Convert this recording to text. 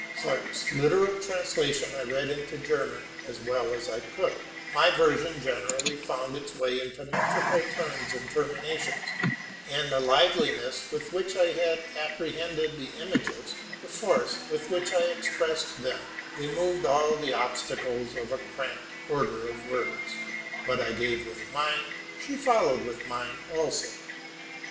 Clarke's literal translation I read off in German, as well as IT could: my version generally found its way into metrical turns and terminations ; and the liveliness with which I had apprehended the images, the force with which I expressed them, removed all the obstacles of a cramped order of words : what I gave with mind, she followed with mind also.